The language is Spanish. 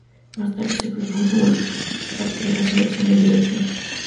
Más tarde se reprodujo en el como parte de la selección del Director.